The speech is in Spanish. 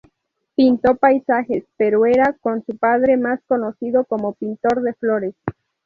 Pintó paisajes, pero era, como su padre, más conocido como pintor de flores.